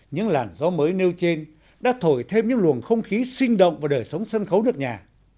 những làn gió mới nêu trên đã thổi thêm những luồng không khí sinh động và đời sống sân khấu được nhà